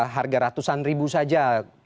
harga ratusan ribu saja